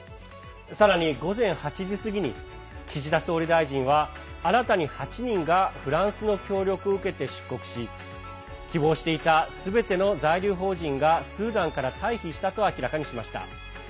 さらに午前８時過ぎに岸田総理大臣は新たに８人がフランスの協力を受けて出国し希望していたすべての在留邦人がスーダンから退避したと明らかにしました。